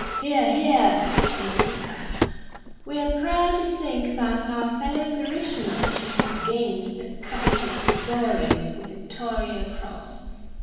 ("Hear, hear!" from the Vicar.) We are proud to think that our fellow parishioner should have gained the coveted glory of the Victoria Cross.